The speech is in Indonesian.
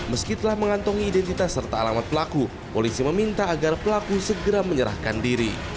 meski telah mengantongi identitas serta alamat pelaku polisi meminta agar pelaku segera menyerahkan diri